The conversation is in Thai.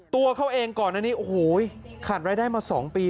ตัวเขาเองก่อนอันนี้โอ้โหขาดรายได้มา๒ปี